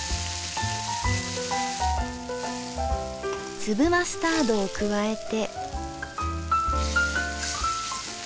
粒マスタードを加えて。